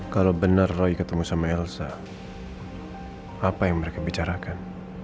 kalau benar roy ketemu sama elsa apa yang mereka bicarakan